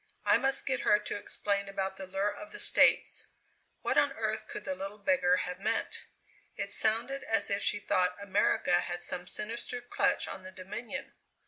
I must get her to explain about the lure of the States. What on earth could the little beggar have meant? It sounded as if she thought America had some sinister clutch on the Dominion.